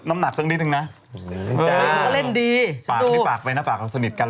ไม่จะผูมฐานแค่ขนาดนั้นอย่างเดียว